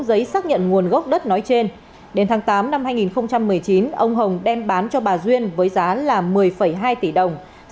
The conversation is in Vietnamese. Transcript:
đến tháng tám năm hai nghìn một mươi chín ông hồng đem bán cho bà yến với giá là một mươi hai tỷ đồng